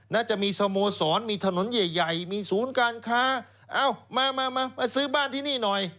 น่าจะมีสโมสรมีถนนใหญ่มีศูนย์การค้าเอ้ามามาซื้อบ้านที่นี่หน่อย